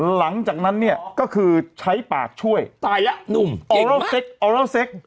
หลังจากนั้นเนี่ยก็คือใช้ปากช่วยตายแล้วหนุ่มเก่งมากเอาแล้วเซ็กเอาแล้วเซ็ก